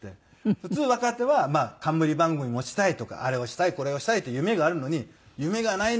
普通若手は冠番組持ちたいとかあれをしたいこれをしたいと夢があるのに夢がないね